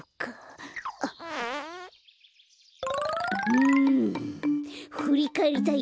うんふりかえりたいよ